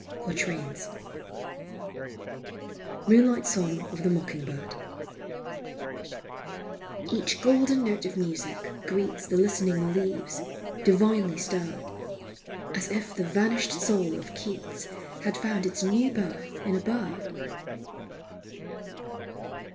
QUATRAINS. MOONLIGHT SONG OF THE MOCKING BIRD. Each golden note of music greets The listening leaves, divinely stirred, As if the vanished soul of Keats Had found its new birth in a bird.